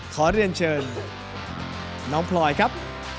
ขอเรียนเชิญน้องพลอยครับ